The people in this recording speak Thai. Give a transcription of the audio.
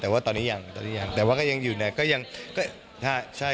แต่ว่าตอนนี้ยังแต่ว่าก็ยังอยู่เนี่ย